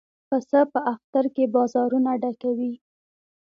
پسه په اختر کې بازارونه ډکوي.